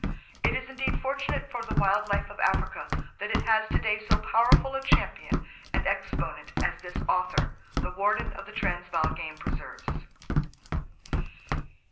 It is indeed fortunate for the wild life of Africa that it has today so powerful a champion and exponent as this author, the warden of the Transvaal Game Preserves.